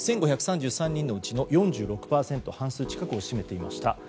１５３３人のうちの４６％半数近くを占めていました。